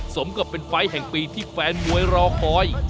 สมกับเป็นไฟล์แห่งปีที่แฟนมวยรอคอย